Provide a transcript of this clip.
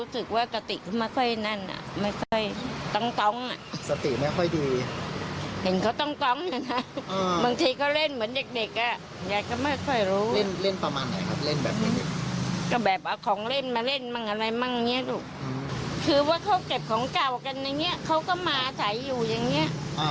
คือว่าเขาเก็บของเก่ากันอย่างนี้เขาก็มาสายอยู่อย่างนี้